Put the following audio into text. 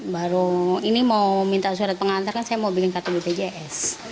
baru ini mau minta surat pengantar kan saya mau bikin kartu bpjs